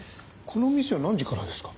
この店は何時からですか？